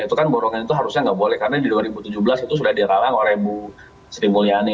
itu kan borongan itu harusnya nggak boleh karena di dua ribu tujuh belas itu sudah diralang oleh bu sri mulyani